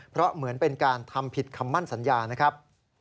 เพราะเหมือนเป็นการทำผิดคำมั่นสัญญานะครับ